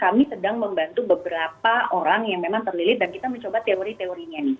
kami sedang membantu beberapa orang yang memang terlilit dan kita mencoba teori teorinya nih